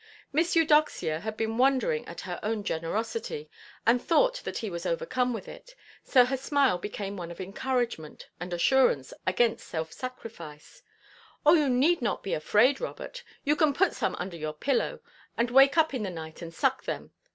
Miss Eudoxia had been wondering at her own generosity, and thought that he was overcome with it. So her smile became one of encouragement and assurance against self–sacrifice. "Oh, you need not be afraid, Robert. And you can put some under your pillow, and wake up in the night and suck them.